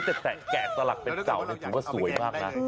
การแกสลักเป็นเจ่าสวยมากนะ